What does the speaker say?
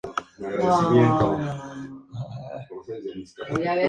La roca está cerca de la parte ucraniana del delta del Danubio.